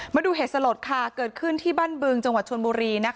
มาดูเหตุสลดค่ะเกิดขึ้นที่บ้านบึงจังหวัดชนบุรี